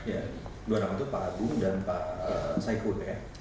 dua nama itu pak agung dan pak saikud ya